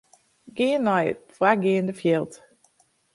Gean nei de foargeande fjild.